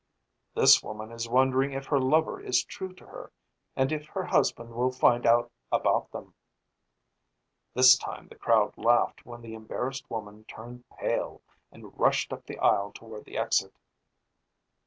"This woman is wondering if her lover is true to her and if her husband will find out about them." This time the crowd laughed when the embarrassed woman turned pale and rushed up the aisle toward the exit.